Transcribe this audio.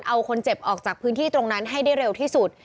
เอาคนเจ็บออกจากพื้นที่ตรงนั้นให้ได้เร็วที่สุด